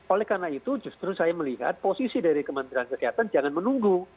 oleh karena itu justru saya melihat posisi dari kementerian kesehatan jangan menunggu